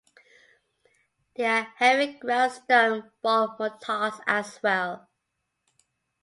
There are heavy ground-stone bowl mortars as well.